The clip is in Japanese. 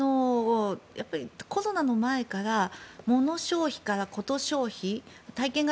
コロナの前からモノ消費からコト消費体験型